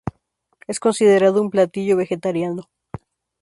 Es considerado un platillo vegetariano.